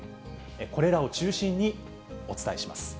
これらを中心にお伝えします。